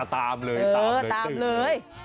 ตามเลยตื่นเลย